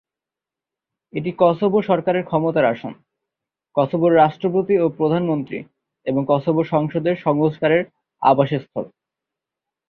এটি কসোভো সরকারের ক্ষমতার আসন, কসোভোর রাষ্ট্রপতি ও প্রধানমন্ত্রী এবং কসোভো সংসদের সংস্কারের আবাসস্থল।